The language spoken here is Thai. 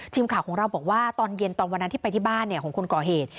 ทีมข่าวของเราบอกว่าตอนเย็นตอนวันนั้นที่ไปที่บ้านของคนก่อเหตุ